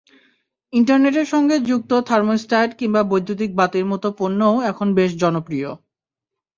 ইন্টারনেটের সঙ্গে যুক্ত থার্মোস্ট্যাট কিংবা বৈদ্যুতিক বাতির মতো পণ্যও এখন বেশ জনপ্রিয়।